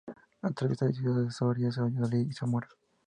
Atraviesa las ciudades de Soria, Valladolid y Zamora.